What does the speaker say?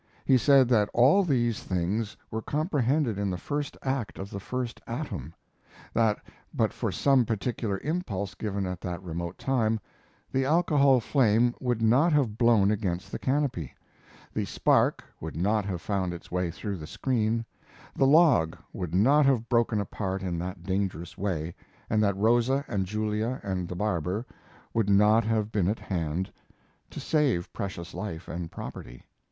He said that all these things were comprehended in the first act of the first atom; that, but for some particular impulse given in that remote time, the alcohol flame would not have blown against the canopy, the spark would not have found its way through the screen, the log would not have broken apart in that dangerous way, and that Rosa and Julia and the barber would not have been at hand to save precious life and property.